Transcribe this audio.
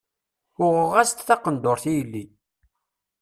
Uɣeɣ-as-d taqendurt i yelli.